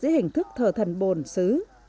giữa hình thức thờ thần bồn xứ